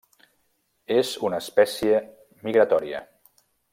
És una espècie migratòria.